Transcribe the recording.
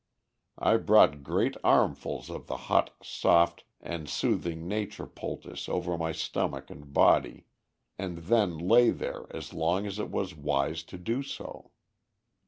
I brought great armfuls of the hot, soft, and soothing nature poultice over my stomach and body, and then lay there as long as it was wise to do so.